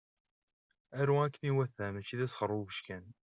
Aru akken iwata mačči d asxerbubec kan!